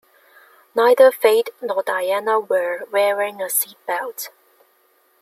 Neither Fayed nor Diana were wearing a seat belt.